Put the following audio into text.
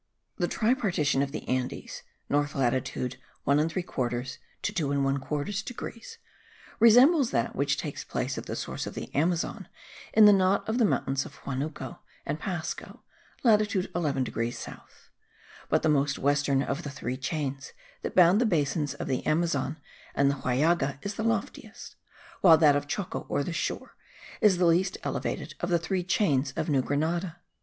The tripartition of the Andes (north latitude 1 3/4 to 2 1/4 degrees) resembles that which takes place at the source of the Amazon in the knot of the mountains of Huanuco and Pasco (latitude 11 degrees south); but the most western of the three chains that bound the basins of the Amazon and the Huallaga, is the loftiest; while that of Choco, or the shore, is the least elevated of the three chains of New Grenada.